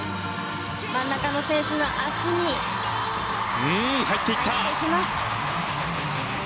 真ん中の選手の足に入っていきます。